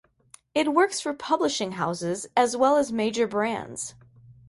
It works for publishing houses as well as major brands.